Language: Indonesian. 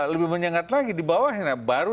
lebih menyengat lagi di bawahnya baru